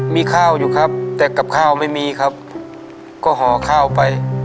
มีข้าวอยู่ครับแต่กับข้าวไม่มีครับก็ห่อข้าวไป